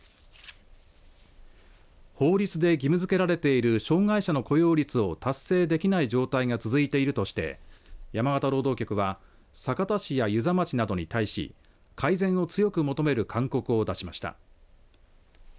法律で義務付けられている障害者の雇用率を達成できない状態が続いているとして山形労働局は酒田市や遊佐町などに対し改善を強く求める勧告を出しました。